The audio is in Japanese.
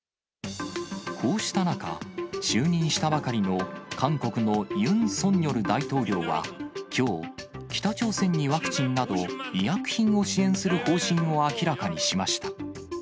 こうした中、就任したばかりの韓国のユン・ソンニョル大統領は、きょう、北朝鮮にワクチンなど医薬品を支援する方針を明らかにしました。